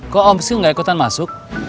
kok om sil gak ikutan masuk